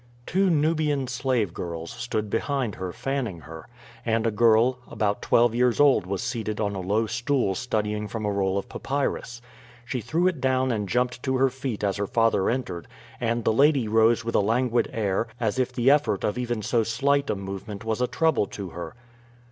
Two Nubian slave girls stood behind her fanning her, and a girl about twelve years old was seated on a low stool studying from a roll of papyrus. She threw it down and jumped to her feet as her father entered, and the lady rose with a languid air, as if the effort of even so slight a movement was a trouble to her.